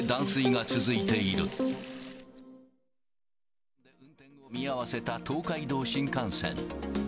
運転を見合わせた東海道新幹線。